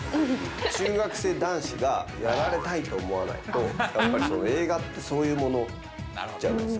中学生男子がやられたいと思わないと、やっぱり映画ってそういうものじゃないですか。